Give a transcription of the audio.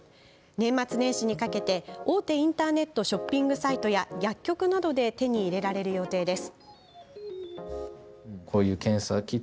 年末年始にかけて大手インターネットショッピングサイトや薬局などで手に入れられる予定です。